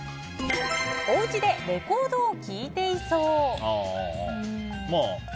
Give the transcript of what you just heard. おうちでレコードを聴いていそう。